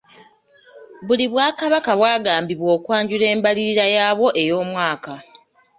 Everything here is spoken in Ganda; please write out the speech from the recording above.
Buli bwakabaka bwagambibwa okwanjula embalirira yaabwo ey'omwaka.